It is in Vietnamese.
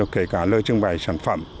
kể cả lời trưng bày sản phẩm